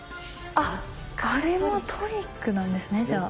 あっこれもトリックなんですねじゃあ。